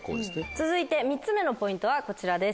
続いて３つ目のポイントはこちらです。